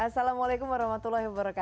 assalamualaikum wr wb